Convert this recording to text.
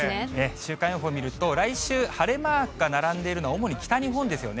週間予報見ると、来週晴れマークが並んでいるのは主に北日本ですよね。